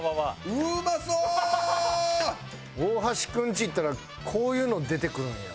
大橋君ち行ったらこういうの出てくるんや。